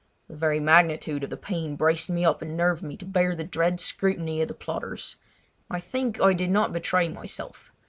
The very magnitude of the pain braced me up and nerved me to bear the dread scrutiny of the plotters. I think I did not betray myself.